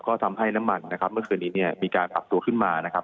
ก็ทำให้น้ำมันเมื่อคืนนี้มีการปรับตัวขึ้นมานะครับ